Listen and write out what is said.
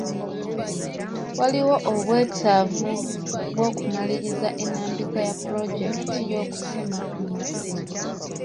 Waliwo obwetaavu bw'okumaliriza ennambika ya pulojekiti y'okusima amafuta.